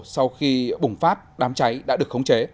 sau khi bùng phát đám cháy đã được khống chế